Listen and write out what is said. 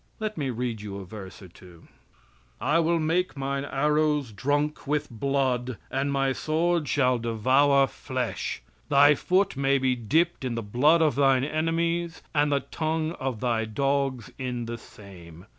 Let me read you a verse or two: "I will make mine arrows drunk with blood, and my sword shall devour flesh." "Thy foot may be dipped in the blood of thine enemies, and the tongue of thy dogs in the same."